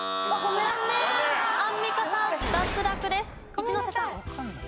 一ノ瀬さん。